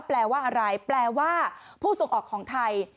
แปลว่าอะไรแปลว่าผู้ส่งออกของไทย